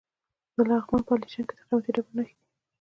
د لغمان په علیشنګ کې د قیمتي ډبرو نښې دي.